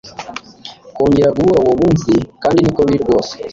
Kongera guhura uwo munsi kandi niko biri rwose